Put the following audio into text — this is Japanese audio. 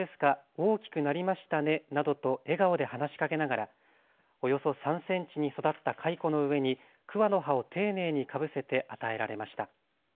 大きくなりましたねなどと笑顔で話しかけながらおよそ３センチに育った蚕の上に桑の葉を丁寧にかぶせて与えられました。